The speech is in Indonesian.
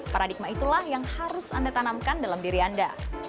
paradigma itulah yang harus anda tanamkan dalam diri anda